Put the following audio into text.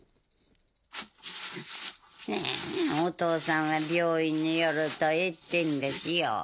お父さんは病院に寄ると言ってんだしよ。